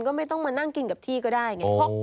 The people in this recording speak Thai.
ก็ไม่ต้องมานั่งกินกับที่ก็ได้ไง